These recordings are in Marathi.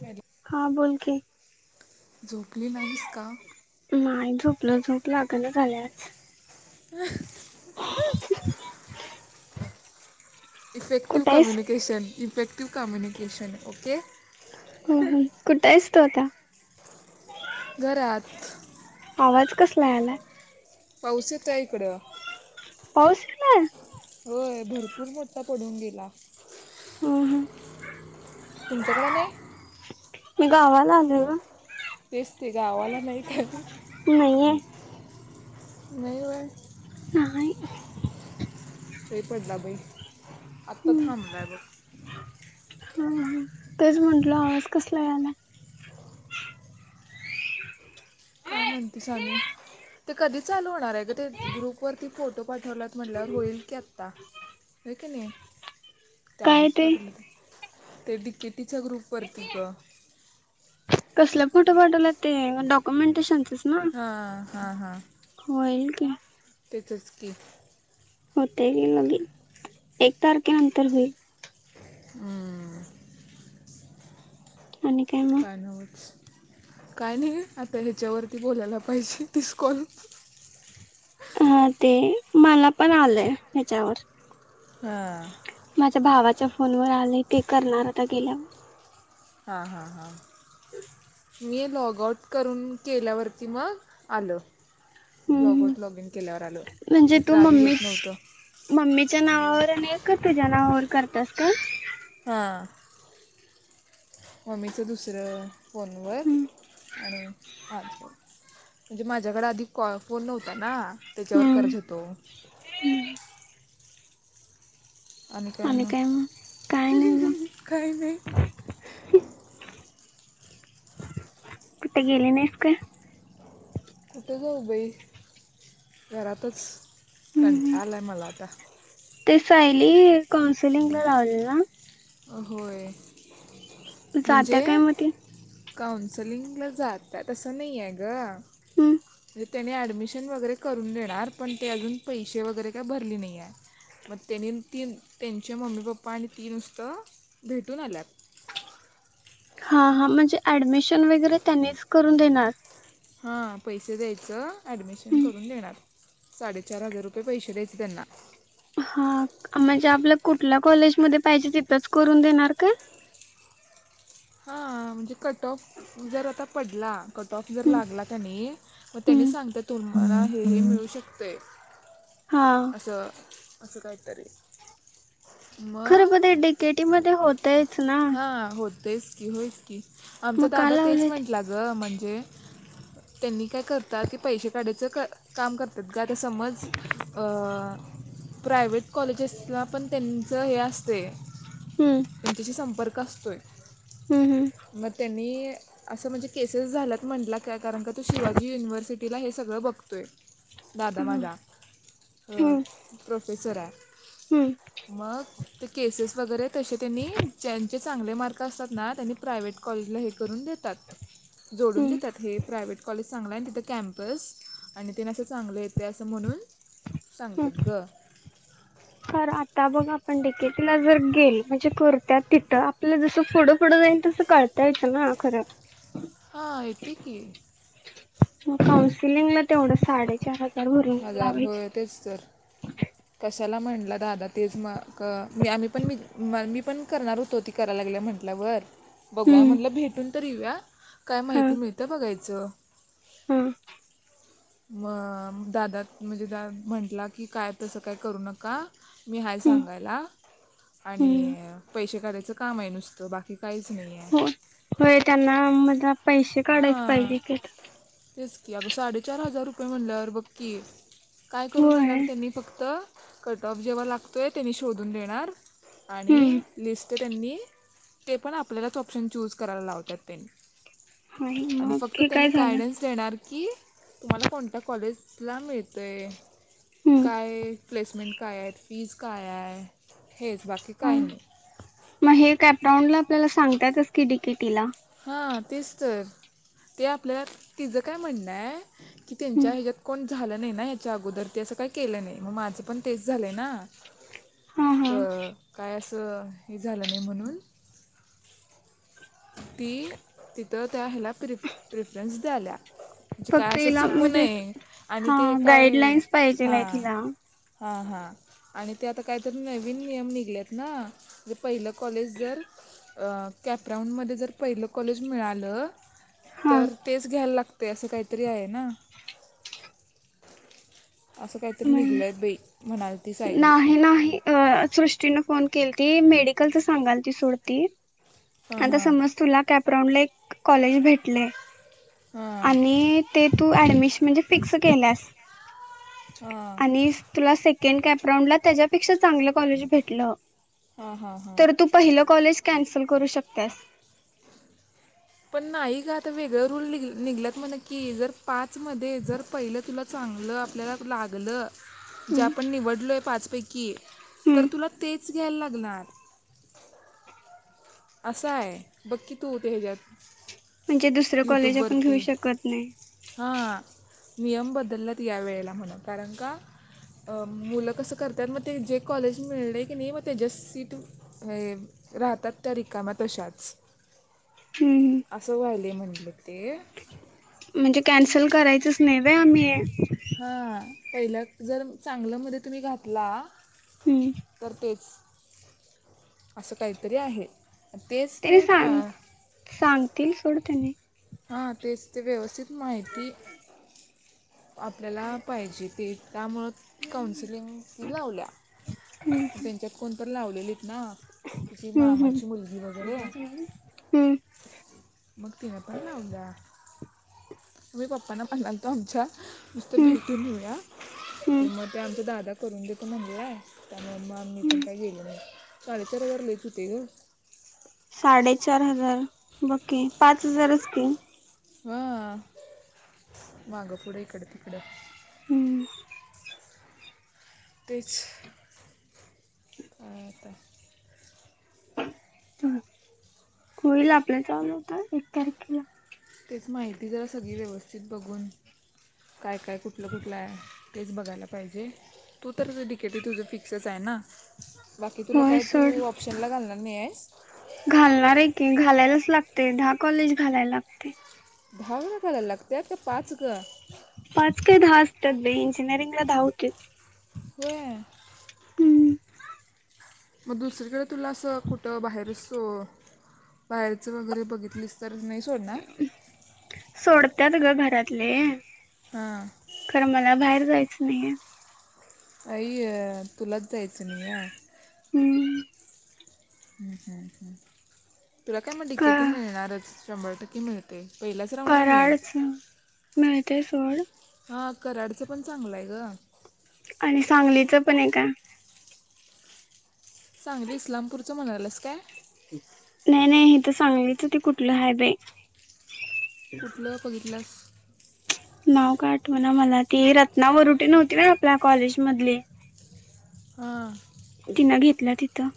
खरी हा बोल की झोपली नाहीस का नाही झोपलो झोप लागल झाल्यास इफेक्टिव कुठं आहेस? कम्य केशन इम्पॅक्टिव कम्युनिकेशन ओके हो कुठं आहेस तो आता घरात आवाज कसला आला पाऊस येत आहे इकडं पौस ना होय भरपूर मोठठा पडून गेला हं हं. तुमच्याकडे नाही मी गावाला आलो तेस् ते गावाला नाही का नाही आहे नाहीवर ह सही पडला बई आत्ता थांबला आहे बघ ह तेच म्हटल आवाज कसला आहे ना काय म्हणतेस आणि ते कधी चालू होणार आहे ग ते ग्रुपवररती फोटो पाठवला. म्हटल्या होईल की आता हे की नाही काय त्याआधीच ते? पाठवलं त्या डीकेटीच ग्रुपवरती ग कसला फोटो पाठवला ते डॉक्युमेंटेशनचच ना हा हा हां होईल का. तेथच की होत क लगे एक तारखेनंतर होईल. आणि काय मग? कानोज [inaudible] काय नाही आता ह्याच्यावरती बोलायला पाहिजे तीस कॉल हा ते मला पण आलंय हच्यावर हा माझ्या भावाच्या फोनवर आले ते करणार आता गेल्यावर हा हा हा मी लॉग आउट करून केल्यावरती मग आलं, लॉग हम्म आउट लॉग इन केल्यावर आलो म्हणजे तू नाहीत्र आधी मम्मी येत नव्हतं. मम्मीच्या नावावर आणि का तुझ्या नावावर करतस का? हा म्मीचं दुसरं फोनवर हम्म आणि माझ म्हणजे माझ्याकडे आधिकॉ फोन नव्हता ना त्याच्यावर कर्ज होतो. हम्म आणि काय मग काही नाही कुठ गेले नाहीस का? कुठे जाऊबाई घरातच हम्म कंटाळा आला आहे मला आता ते सायली काौन्सलिंग ला लावले ना हो होय जात्या म्हणजे काय मग ती काउन्सलिंगला जात अससं नाही आहे ग. हम् त्याने ऍडमिशन वगैरे करून देणार पण ते अजून पैसे वगैरे का भरली नाही आहे. मग त्यानी तीन त्यांचे मम्मी पप्पा आणि ती नुसतं भेटून आल्यात. हा हा म्हणजे ऍडमिशन वगैरे त्यांनीच करून देणार. हा पैसे द्यायचं ॲडमिशन करून देणार. साडेचार हजार रुपये पैसे द्यायचे त्यांना हा म्हणजे आपल्या कुठल्या कॉलेजमध्येध्ये पाहिजे तिथंच करून देणार का? म्हणजे कट ऑफ जर आता पडला. कट ऑफ जर हम्म लागला त्यानी मग त्यानी हम्म सांगते तुम्हाला हे मिळू शकतय. हा असं असं काहीतरी खरं मग ब ते डीकेटी मध्ये होतयच ना, हा होतेच की होयच की आमचा मग का दादा तेच लावले ते म्हंटला णज त्यांनी काय करत प काढ कर, तद्गात समज प्रायव्हेट कॉलेजेसला पण त्यांचं हे असते हम्म त्यांच्याशी संप संपर्क असतोय हम्म मग त्यांनी असं म्हणजे केसेस झाल्यात म्हटलं काय कारण का तो शिवाजी युनिव्हर्सिटीला हे सगळं बघतोय. दादादा हम्म माझा हम्म प्रोफेसर आहे. हम्म मग ते केसेस वगैरे तसे त्यांनी ज्यांचे चांगले मार्क असतात ना त्यांनी प्रायवे्ट कॉलेजला हे करून देतात. जोडून हम्म देतात हे प्रायवेट कॉलेज चांगल आहे आणि तिथं कॅम्पस आणि तिन असं चांगलं येतय असं म्हणून. सांगतात ग. खर आता बघ आपण डीकेटीला जर गेल म्हणजे करत तिथं आपलं जसं फूड फूडं जान तस कळतयचं ना खरं. हां येते की मग काउन्सिलिंगला तेवढं साडेचार हजार भरून हजार लावायच. होय तेच तर कशाला म्हटलं दादा तेच मग मी आम्ही पण म मी पण करणार होत ते. करा लागल्या म्हंटल्यावर. बघूया हम्म म्हणलं भेटून तर येऊया, काय हा माहिती मिळत्या बघायचं? [unintelligible] म दादात म्हणजे द म्हंटला की काय तसं काय करू नका. मी हाय हम्म सांगायला, हम्म आणि पैसे काढायचं काम आहे नुसतं बाकी हे काहीच नाही आहे, हो होय त्यांना मला पैसे काढायच हा. पाहिजे की तेच की अगं साडेचार हजार रुपये म्हणल्यावर बघकी काय करून देणार होय त्यांनी फक्त तर कट ऑफ जेव्हा लागतो आहे ते म शोधून देणार आणि हम्म लिस्ट त्यांनी, ते पण आपल्यालाच ऑप्शन चूज करायला लावतात त्यांनी. आणि मग फक्त हे त्यांनी काय झालं गायडन्स देणार की तुम्हाला कोणत्या कॉलेजला मिळतय काय प्लेसमेंट काय आहेत फीज काय आहे हेच बाकी काय हम्म नाही. मग हे कॅपराऊंड ला आपल्याला सांगताातच की डीकेटी ला. हा तेच तर, ते आपल्या तिचं काय म्हणणं आहे. की त्यांच्या ह्याच्यात कोण झालं नाही ना या्याच्या अगोदर ते असं काही केलं नाही म माझं पण तेच झालंय ना. हा अ हा काय असं हे झालं नाही म्हणून. ती तिथं त्या हला प्र प्रिफरंस द्याल्या. म्हणजे काय फक्त असं हिला चुकू म्हणजे नये आणि हा ते काय गाईडलाईन्स पाहिजेल हा. आहेत हिला हा हा. आणि ते आता काहीतरी नवीन नियम निघलेत ना पहिलं कॉलेज जर अ कॅप राऊंडमध्ये जर पहिलं कॉलेज मिळालं, हा तर तेच घ्यायला लागत असं काहीतरी आहे. ना, अस काहीतरी नाही निघलंय बाइ म्हणा नाही नाही सृष्टीन फोन केली ती मेडिकलच सांगालती सोडती. हां आता हां समज तुला कॅपरांडला एक कॉलेज भेटलय, हां आणि ते तु ऍडमिशन म्हणजे फिक्स केल्यास, हां आणि तुला सेकं सेकंड कॅपराऊंड ला त्याच्यापेक्षा चांगलं कॉलेज भेटलं. हा हा हा. तर तू पहिलं कॉलेज कॅन्सल करू शकत्यास. पण नाही ग आता वेगळ रूल निघलात म्हणा की जर पाच मध्ये जर पहिलं तुला चांगलं आपल्याला लागलं. जे हम्म आपण निवडलोय पाचपैकी तर हम्म तुला तेच घ्यायला लागणार. असं आहे बघ की तू ते ह्याच्यात. म्हणजे दुसरं कॉलेज आपण घेऊ शकत नाही. हा, नियम बदललात या वेळेला म्हणून कारण का. अ मुलं कसं करतात मग ते जे कॉलेज मिळले की नाही मग त्याच्या सीट हे राहतात त्या रिकामात तशाच. हम्. असं वयलय म्हटलं ते. म्हणजे कॅन्सल करायचच नाही वय आम्ही. हा पहिल्या जर चांगलं मध्ये तुम्ही घातला. हम्म. तर तेच. असं काहीतरी आहे तेच त्याने ते पा सांग सांगतील सोड तेने हा तेच ते व्यवस्थित माहिती आपल्याला पाहिजे ते त्यामुळं काउन्सिलिंग ही लावल्या त्यांच्यात कोण तरण लावलेलीत ना तुझची हम्म हम्म मामाची मुलगी वगैरे हम्म मग तिने पण लाव द तुम्ही पप्पाना पण लाल तो आमच्या नुसतं हम्म भेटून होऊया हम्म तर मग ते आमचा दादा करून देतो म्हणलं आहे त्यामुळे आम्ही पण हम्म केला नाही कॉलेजला तर वेळेवर येत होतो का साडेचार हजार ओके पाच हजारच क हम्म मागं पुढं इकडं तिकडं हम्म तेच अता च होईल आपल्या चा आलं होत एक तारखेला तेच माहिती जरा सगळी व्यवस्थित बघून काय काय कुठलं कुठलं आहे तेच बघायला पाहिजे तू तर तिकेटही तुझं फिक्सच आहे ना बाकी तुला होय काय सोड तू ऑप्शनला घालणार नाही आहेस घालणार आहे की घालायलाच लागते दहा कॉलेज घालायला लागते दहावळा घालायला लागतय का पाच ग पाच काय दहा असतात बाई इंजिनिअरिंग ला दहा होतीत होय हम्म मग दुसरीकडे तुला असं कुठं बाहेर सो बाहेरचं वगैरे बघितलीस तर नाही सोडणार सोडत्यात ग घरातले हा खरं मला बाहेर जायचं नाही आई तुलाच जायचं नाही आहे हम् ह् तुला काय मग टिकेट का मिळणारच शंभर टक्के मिळत ते पहिल्याच राऊंड ला मिळेल कराडच मिळते सोड हा कराडचं पण चांगलं आहे ग आणि सांगलीच पण आहे का सांगली इस्लामपूरचं म्हणालंस काय नाही नाही हे तर सांगलीच त कुठलं आहे बाई कुठलं बघितलास नाव का आठव ना मला ती रत्ना वरुटी नव्हती ना आपल्या कॉलेज मधले हां तिनं घेतलं तिथं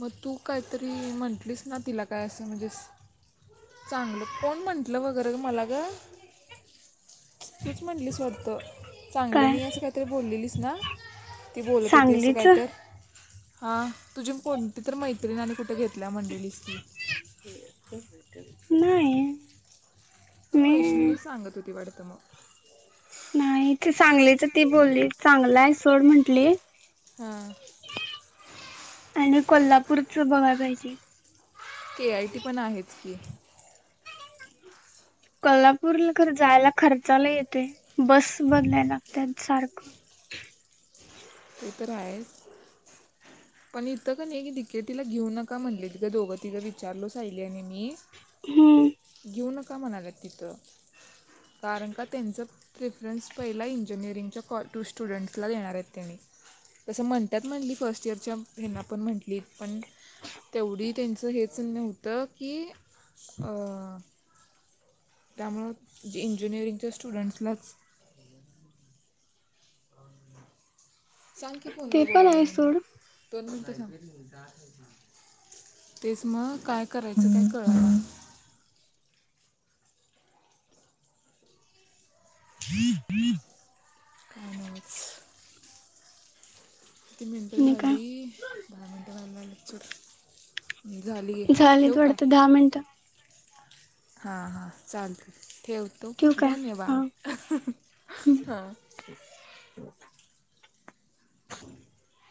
मग तू काहीतरी म्हटलीस ना तिला काय असं म्हणजे चांगलं कोण म्हटलं वगैरे मला ग तूच म्हटलीस वाटतं चांगलं काय नाही असं काहीतरी बोललेलीच ना ती बोलत होती असं सांगलीच काहीत हां तुझी कोणती तर मैत्रीिणी आणि कुठे घेतल्या मंडेलीच की नाही तर मी वैष्णवी सांगत होती वाटतं मग नाही तेे चांगलीच ती बोलली चांगलं आहे सोड म्हंटली हा आणि कोल्हापूर बघायला पाहिजे के आय टी पण आहेत की कोल्हापूरला ख जायला खर्चाला येते बस बदलायला लागतात सारखं ते तर रा आहेस पण इथं का नाहीी तिके तिला घेऊ नका म्हटले तिं दोघं तिघं विचारलो साहिली आणि मी हम्म घेऊ नका म्हणालात तिथं कारण का त्यांचं प्रेफरन्स पहिला इंजिनिअरिंगच्या कॉ टू स्टुडंट्सला देणार आहेत त्यानी तसं म्हणतात म्हटली फर्स्ट इयरच्या हना पण म्हटली पण तेवढी त्यांचं हेच होतं की अ त्यामुळं जे इंजिनिअरिंगच्या स्टुडंट्सलाच सांग की ते फोनवर पण बोलाले आहे म्हणेून सोड दोन मिनटं सांग तेच मग काय करायचं काय कळ ह अमस कती मिनट आणि काय खाल्ली बारा मिनट खाल्लंलीचट झाली आहे ठेव झालीत काय वाटतं दहा मिनटं हां हां चालत ठेवतो ठेवू काय? हा. धन्यवाद हां [inaudible]